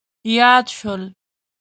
یاد شول.